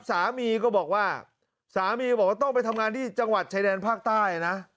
สามีก็บอกว่าต้องไปทำงานที่จังหวัดชายแดนภาคใต้นะ